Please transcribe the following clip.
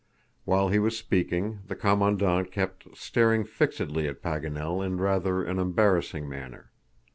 While he was speaking, the Commandant kept staring fixedly at Paganel in rather an embarrassing manner.